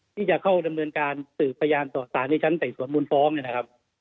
ที่จะเข้าดำเนินการสืบพยานต่อสารในชั้นไต่สวนมูลฟ้องเนี่ยนะครับ